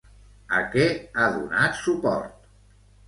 A què ha donat suport?